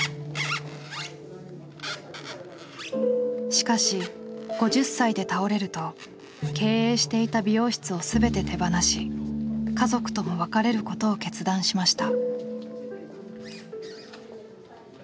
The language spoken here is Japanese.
しかし５０歳で倒れると経営していた美容室を全て手放し家族とも別れることを決断しました。